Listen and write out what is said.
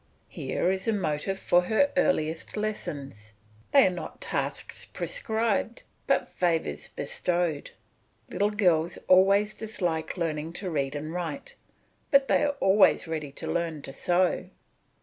Here is a motive for her earliest lessons, they are not tasks prescribed, but favours bestowed. Little girls always dislike learning to read and write, but they are always ready to learn to sew.